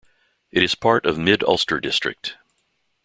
It is part of Mid-Ulster District.